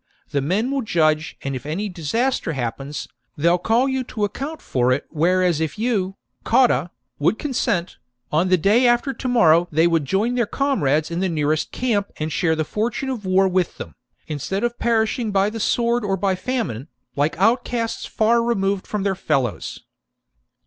The men will judge ; and if any disaster happens, they'll call you to account for it ; whereas V THE DISASTER AT ADUATUCA 149 if you, Cotta, would consent, on the day after 54 b.c. to morrow they would join their comrades in the nearest camp and share the fortune of war with them, instead of perishing by the sword or by famine, like outcasts far removed from their fellows."